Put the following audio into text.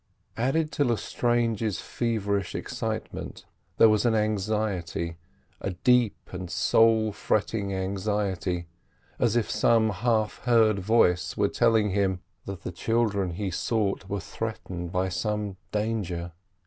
Added to Lestrange's feverish excitement there was an anxiety, a deep and soul fretting anxiety, as if some half heard voice were telling him that the children he sought were threatened by some danger.